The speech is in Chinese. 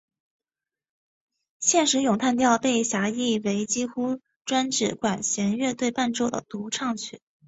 现时咏叹调被狭义为几乎专指管弦乐队伴奏的独唱曲。